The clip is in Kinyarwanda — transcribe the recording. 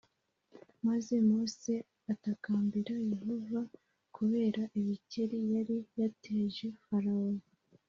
maze mose atakambira yehova e kubera ibikeri yari yateje farawo